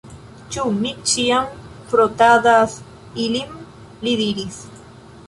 Ĉu mi ĉiam frotadas ilin? li diris.